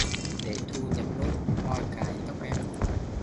Để Thu nhặt nốt hoa cài tóc em.